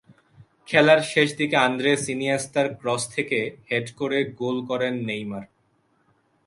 খেলার শেষ দিকে আন্দ্রেস ইনিয়েস্তার ক্রস থেকে হেড করে গোল করেন নেইমার।